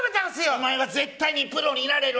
お前は絶対プロになれる。